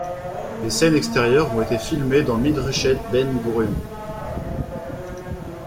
Les scènes extérieures ont été filmées dans Midreshet Ben Gourion.